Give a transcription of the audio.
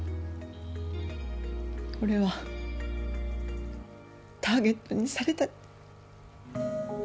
俺はターゲットにされたって。